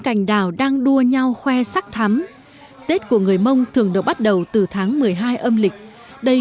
cành đào đang đua nhau khoe sắc thắm tết của người mông thường được bắt đầu từ tháng một mươi hai âm lịch đây